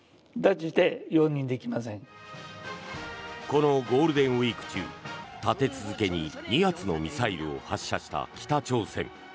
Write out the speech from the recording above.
このゴールデンウィーク中立て続けに２発のミサイルを発射した北朝鮮。